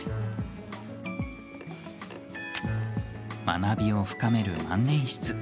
学びを深める万年筆。